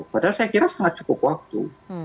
padahal saya kira sangat cukup waktu